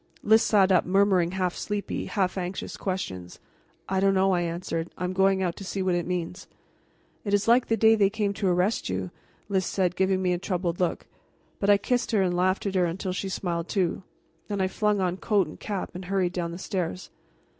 Lys sat up, murmuring half sleepy, half anxious questions. "I don't know," I answered. "I am going out to see what it means." "It is like the day they came to arrest you," Lys said, giving me a troubled look. But I kissed her and laughed at her until she smiled too. Then I flung on coat and cap and hurried down the stairs.